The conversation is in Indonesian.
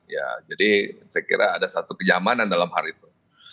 ya jadi saya kira ada satu kenyamanan dalam hal itu